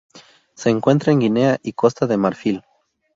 Se encuentra en Guinea y Costa de Marfil.